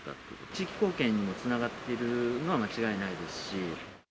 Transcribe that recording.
地域貢献につながっているのは間違いないですし。